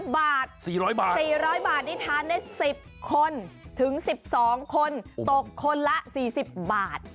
๔๐๐บาทนี่ทานได้๑๐คนถึง๑๒คนตกคนละ๔๐บาท